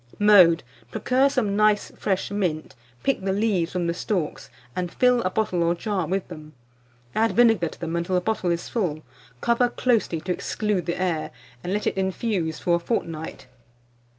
Mode. Procure some nice fresh mint, pick the leaves from the stalks, and fill a bottle or jar with them. Add vinegar to them until the bottle is full; cover closely to exclude the air, and let it infuse for a fortnight.